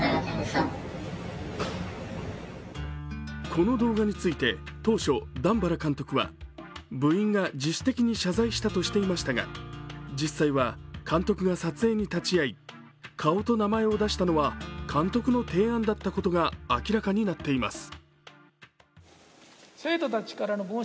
この動画について当初、段原監督は部員が自主的に謝罪したとしていましたが、実際は監督が撮影に立ち会い、顔と名前を出したのは監督の提案だったことが明らかになっています。